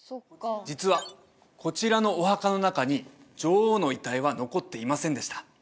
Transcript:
実はこちらのお墓の中に女王の遺体は残っていませんでした